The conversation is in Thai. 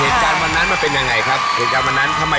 เหตุการณ์วันนั้นมันเป็นยังไงครับ